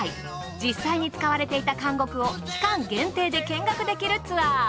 実際に使われていた監獄を期間限定で見学できるツアー。